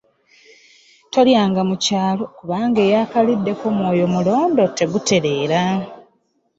Tolyanga mu kyalo kubanga eyaakaliddeko omyoyo mulondo tegutereera.